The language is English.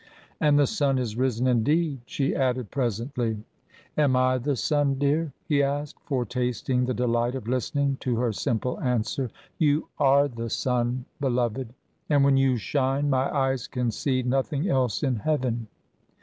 "And the sun is risen, indeed," she added presently. "Am I the sun, dear?" he asked, foretasting the delight of listening to her simple answer. "You are the sun, beloved, and when you shine, my eyes can see nothing else in heaven."